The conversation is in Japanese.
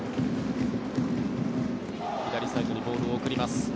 左サイドにボールを送ります。